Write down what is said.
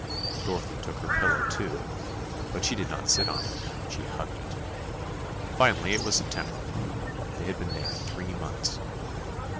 Dorothy took her pillow, too, but she did not sit on it—she hugged it. Finally, it was September. They had been there three months!